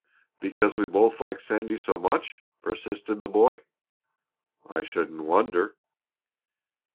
"Because we both like Sandy so much?" persisted the boy. "I shouldn't wonder."